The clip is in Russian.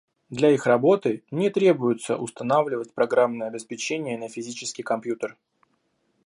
Для их работы не требуется устанавливать программное обеспечение на физический компьютер.